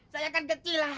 saya kan gecil lah